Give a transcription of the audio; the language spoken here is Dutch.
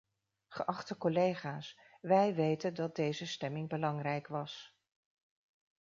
Geachte collega's, wij weten dat deze stemming belangrijk was.